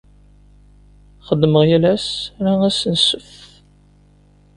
Xeddmeɣ yal ass, ala ass n Ssebt.